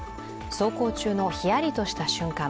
走行中のひやりとした瞬間。